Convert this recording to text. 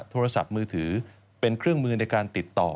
โทรศัพท์มือถือเป็นเครื่องมือในการติดต่อ